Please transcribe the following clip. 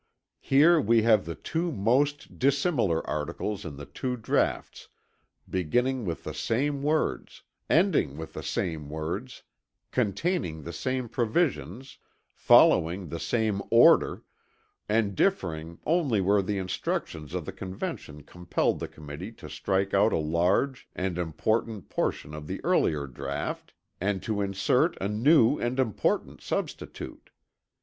Here we have the two most dissimilar articles in the two draughts beginning with the same words, ending with the same words, containing the same provisions, following the same order, and differing only where the instructions of the Convention compelled the Committee to strike out a large and important portion of the earlier draught and to insert a new and important substitute.